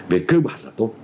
về cơ bản là tốt